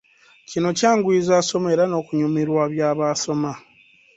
Kino kyanguyiza asoma era n'okunyumirwa by'aba asoma.